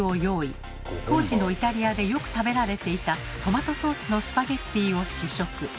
当時のイタリアでよく食べられていたトマトソースのスパゲッティを試食。